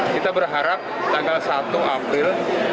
kita berharap tanggal satu april dua ribu dua puluh satu